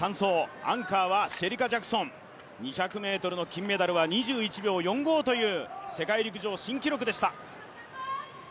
アンカーはシェリカ・ジャクソン２００ｍの金メダルは２１秒４５という世界陸上新記録でした。